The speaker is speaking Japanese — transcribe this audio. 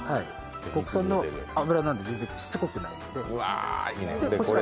国産の脂なのでしつこくないので。